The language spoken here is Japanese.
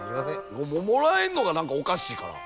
もももらえるのが何かおかしいから。